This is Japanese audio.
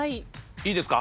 いいですか？